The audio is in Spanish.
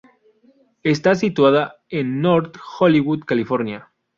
Está situada en North Hollywood, California.